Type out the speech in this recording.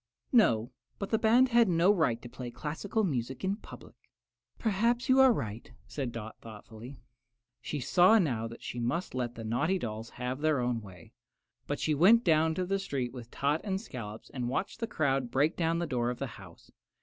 "No, but the band had no right to play classical music in public." "Perhaps you are right," said Dot, thoughtfully. She saw now that she must let the naughty dolls have their own way; but she went down the street with Tot and Scollops and watched the crowd break down the door of the house.